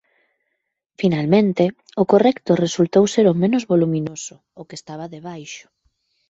Finalmente, o correcto resultou ser o menos voluminoso, o que estaba debaixo.